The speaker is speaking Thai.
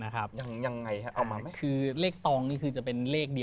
กรุ่งกุมเลขตองนะครับ